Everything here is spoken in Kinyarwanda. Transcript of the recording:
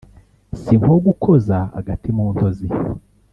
sinkogukoza agati muntozi;